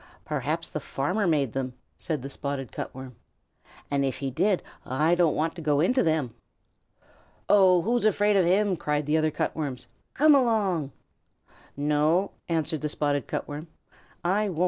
"Perhaps the farmer made them," said the Spotted Cut Worm, "and if he did I don't want to go into them." "Oh, who's afraid of him?" cried the other Cut Worms. "Come along!" "No," answered the Spotted Cut Worm. "I won't.